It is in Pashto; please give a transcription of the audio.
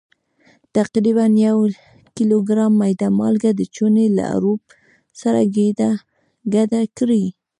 تقریبا یو کیلوګرام میده مالګه د چونې له اړوب سره ګډه کړئ.